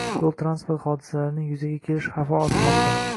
Yo‘l transport hodisalarining yuzaga kelish xavfi ormoqda